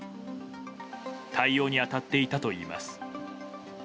対応に当たっていたといいます。